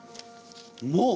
もう！？